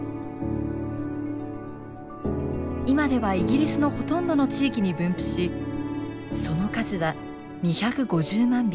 今ではイギリスのほとんどの地域に分布しその数は２５０万匹。